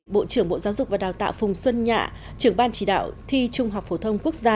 bộ trưởng bộ giáo dục và đào tạo phùng xuân nhạ trưởng ban chỉ đạo thi trung học phổ thông quốc gia